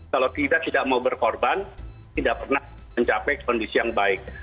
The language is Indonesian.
kalau tidak tidak mau berkorban tidak pernah mencapai kondisi yang baik